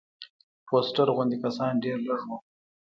فوسټر غوندې کسان ډېر لږ وو.